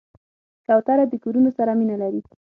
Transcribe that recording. کوتره د کورونو سره مینه لري.